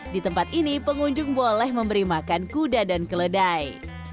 di tempat ini pengunjung boleh memberi makan kuda dan keledai